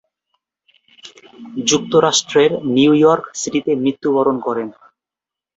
যুক্তরাষ্ট্রের New York সিটিতে মৃত্যুবরণ করেন।